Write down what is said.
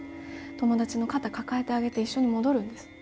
友達の肩を抱えてあげて、一緒に戻るんです。